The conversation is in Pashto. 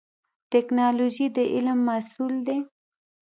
ټکنالوژي د علم محصول دی